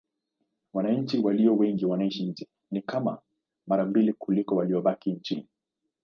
Wananchi walio wengi wanaishi nje: ni kama mara mbili kuliko waliobaki nchini.